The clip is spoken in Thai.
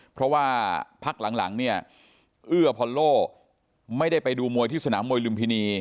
เพราะว่าพักหลังเนี่ยเอื้อพอลโล่ไม่ได้ไปดูมวยที่สนามมวยลุมพินี